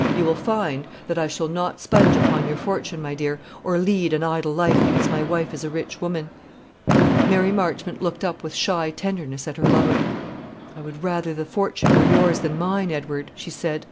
You will not find that I shall sponge upon your fortune, my dear, or lead an idle life because my wife is a rich woman." Mary Marchmont looked up with shy tenderness at her lover. "I would rather the fortune were yours than mine, Edward," she said.